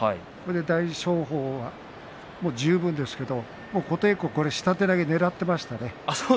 大翔鵬は十分ですけれども琴恵光は、これ下手投げをねらっていましたね。